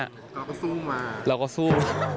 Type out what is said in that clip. เราก็สู้มา